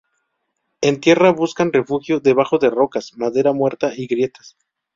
En tierra buscan refugio debajo de rocas, madera muerta y grietas.